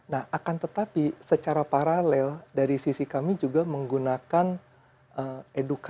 nah akan tetapi secara paralel dari sisi kami juga menggunakan teknologi yang paling mutakhir